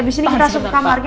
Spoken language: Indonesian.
abis ini kita masuk ke kamarnya